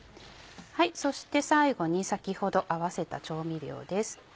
そして最後に先ほど合わせた調味料です。